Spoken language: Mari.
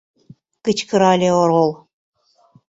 - кычкырале орол.